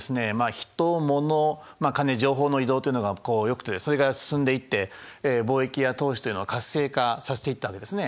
人物金情報の移動というのがよくてそれが進んでいって貿易や投資というのを活性化させていったわけですね。